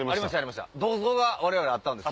銅像が我々あったんです。